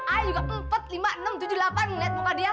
ayah juga empat lima enam tujuh delapan ngeliat muka dia